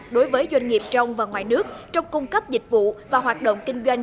đối với doanh nghiệp trong và ngoài nước trong cung cấp dịch vụ và hoạt động kinh doanh